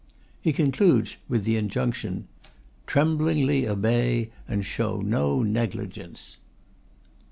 He concludes with the injunction: "Tremblingly obey and show no negligence!"